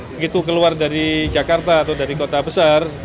begitu keluar dari jakarta atau dari kota besar